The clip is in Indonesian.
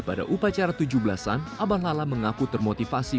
pada upacara tujuh belas an abah lala mengaku termotivasi